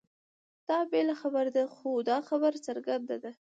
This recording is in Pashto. دا بېله خبره ده؛ خو دا خبره څرګنده ده،